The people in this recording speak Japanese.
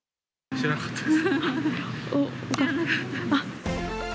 知らなかったです。